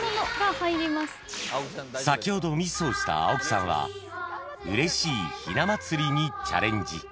［先ほどミスをした青木さんは『うれしいひなまつり』にチャレンジ］